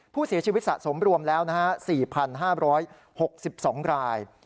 ผู้เสียชีวิตสะสมรวมแล้ว๔๕๖๒ราย